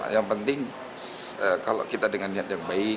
yang penting kalau kita dengan niat yang baik